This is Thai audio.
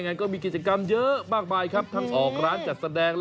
ก็มีกิจกรรมเยอะมากมายครับทั้งออกร้านจัดแสดง